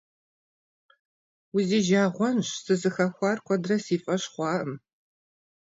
Узижагъуэнщ! Сызыхэхуар куэдрэ си фӀэщ хъуакъым.